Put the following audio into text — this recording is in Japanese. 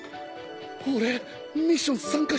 俺ミッション参加しちまった。